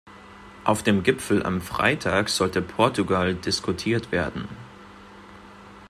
Auf dem Gipfel am Freitag sollte Portugal diskutiert werden.